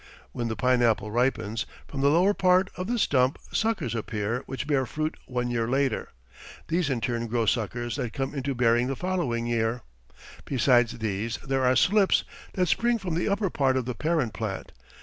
When the pineapple ripens, from the lower part of the stump suckers appear, which bear fruit one year later. These in turn grow suckers that come into bearing the following year. Besides these there are slips, that spring from the upper part of the parent plant.